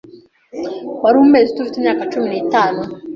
Wari umeze ute ufite imyaka cumi n'itanu?